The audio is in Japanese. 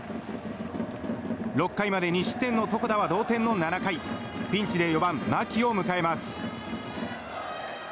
６回まで２失点の床田は同点の７回ピンチで４番、牧を迎えます。